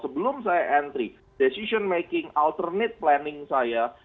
sebelum saya entry decision making alternate planning saya